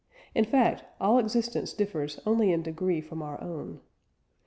In fact all existence differs only in degree from our own.